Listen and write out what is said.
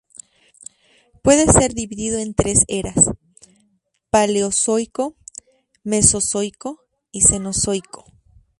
Puede ser dividido en tres eras: Paleozoico, Mesozoico y Cenozoico.